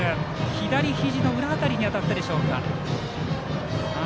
左ひじの裏辺りに当たったでしょうか。